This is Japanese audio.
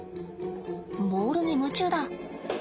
ボールに夢中だ。